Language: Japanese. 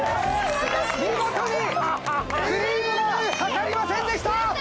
見事にクリームが掛かりませんでした。